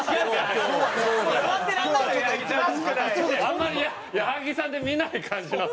あんまり矢作さんで見ない感じの。